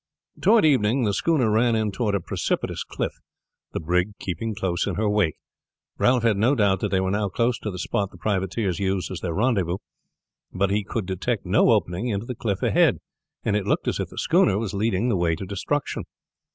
Toward evening the schooner ran in toward a precipitous cliff, the brig keeping close in her wake. Ralph had no doubt that they were now close to the spot the privateers used as their rendezvous, but he could detect no opening into the cliff ahead, and it looked as if the schooner was leading the way to destruction.